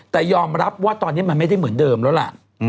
แต่ยอมรับว่าตอนนี้มันไม่ได้เหมือนเดิมแล้วล่ะ